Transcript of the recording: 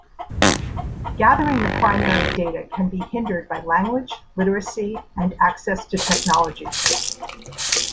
Gathering the primary data can be hindered by language, literacy and access to technology.